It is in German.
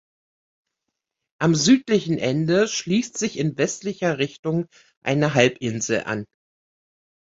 Am südlichen Ende schließt sich in westlicher Richtung eine Halbinsel an.